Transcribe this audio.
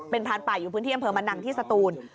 เป็นพรานป่าอยู่พื้นที่อำเภอมะนังที่สตูน